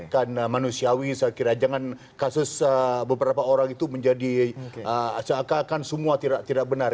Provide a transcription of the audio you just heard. karena manusiawi saya kira jangan kasus beberapa orang itu menjadi seakan akan semua tidak benar